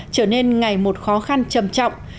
trở nên ngày một khó khăn trầm trọng